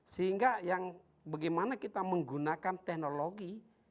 sehingga yang bagaimana kita menggunakan teknologi